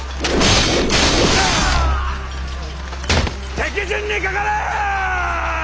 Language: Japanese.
敵陣にかかれ！